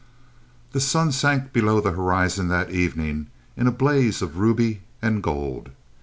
The sun sank below the horizon that evening in a blaze of ruby and gold.